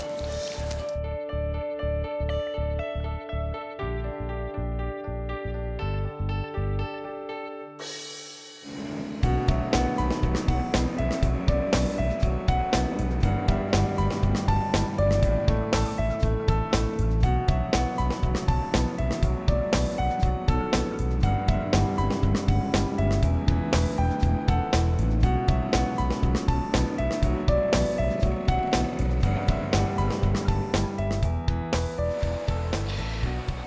kalo gue udah pulang